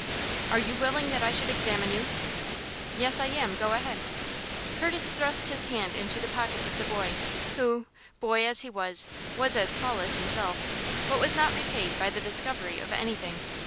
"Are you willing that I should examine you?" "Yes, I am. Go ahead." Curtis thrust his hand into the pockets of the boy, who, boy as he was, was as tall as himself, but was not repaid by the discovery of anything.